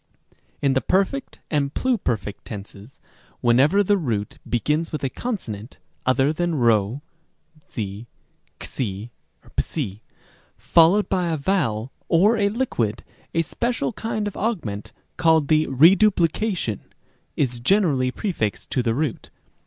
b. In the perfect and pluperfect tenses, whenever the root be gins with a consonant (other than p, ¢ ἕξ, w) followed by a vowel or a liquid, a special kind of augment called the reduplication is generally prefixed to the root.